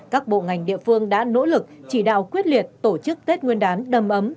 các bộ ngành địa phương đã nỗ lực chỉ đạo quyết liệt tổ chức tết nguyên đán đầm ấm